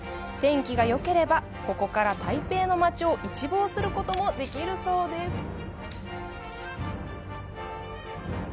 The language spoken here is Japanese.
天気がよければ、ここから台北の街を一望することもできるそうです。